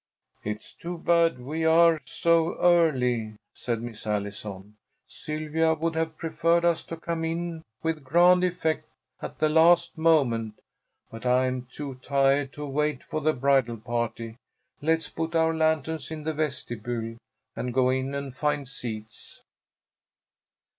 "It's too bad we are so early," said Miss Allison. "Sylvia would have preferred us to come in with grand effect at the last moment, but I'm too tired to wait for the bridal party. Let's put our lanterns in the vestibule and go in and find seats."